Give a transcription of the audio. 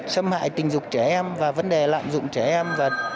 xâm hại tình dục trẻ em và vấn đề lạm dụng trẻ em